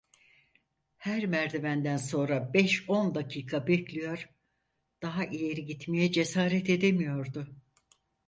Her merdivenden sonra beş on dakika bekliyor, daha ileri gitmeye cesaret edemiyordu.